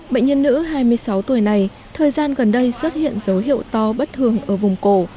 bệnh nhân nữ hai mươi sáu tuổi này thời gian gần đây xuất hiện dấu hiệu to bất thường ở vùng cổ